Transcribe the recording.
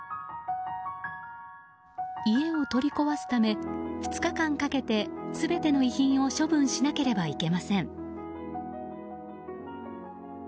家を取り壊すため２日間かけて全ての遺品を処分しなければいけません。